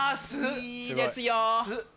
いいですよ。